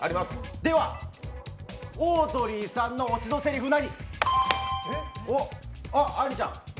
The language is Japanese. ではオードリーさんのオチのせりふ何？